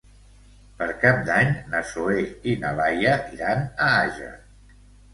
Per Cap d'Any na Zoè i na Laia iran a Àger.